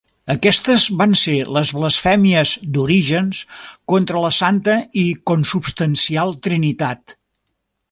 Aquestes van ser les blasfèmies d'Orígens contra la santa i consubstancial trinitat.